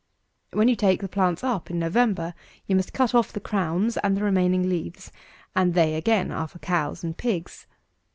256. When you take the plants up in November, you must cut off the crowns and the remaining leaves; and they, again, are for cows and pigs.